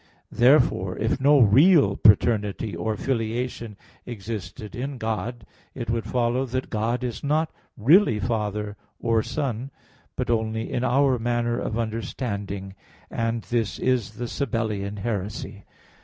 Therefore, if no real paternity or filiation existed in God, it would follow that God is not really Father or Son, but only in our manner of understanding; and this is the Sabellian heresy.